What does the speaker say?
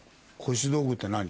腰道具って何？